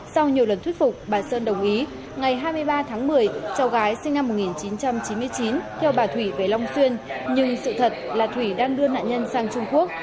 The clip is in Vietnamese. sau nhiều lần thuyết phục bà sơn đồng ý ngày hai mươi ba tháng một mươi cháu gái sinh năm một nghìn chín trăm chín mươi chín theo bà thủy về long xuyên nhưng sự thật là thủy đang đưa nạn nhân sang trung quốc